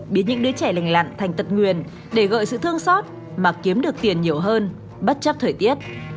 biến những đứa trẻ lành lặn thành tật nguyền để gợi sự thương xót mà kiếm được tiền nhiều hơn bất chấp thời tiết